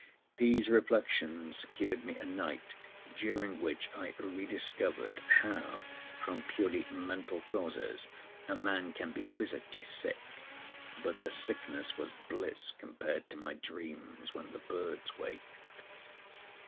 These reflections secured me a night during which I rediscovered how, from purely mental causes, a man can be physically sick; but the sickness was bliss compared to my dreams when the birds waked.